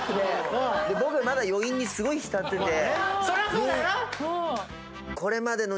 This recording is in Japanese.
「僕まだ余韻にすごい浸ってて」